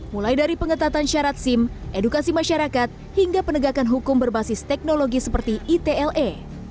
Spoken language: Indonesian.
mulai dari pengetatan syarat sim edukasi masyarakat hingga penegakan hukum berbasis teknologi seperti itle